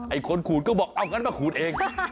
คนขูดก็บอกเอางั้นมาขูดเอง